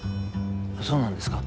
そうなんですか？